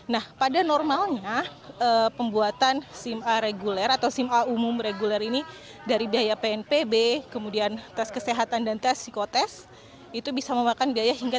nah pada normalnya pembuatan sim a reguler atau sim a umum reguler ini dari biaya pnpb kemudian tes kesehatan dan tes psikotest itu bisa memakan biaya hingga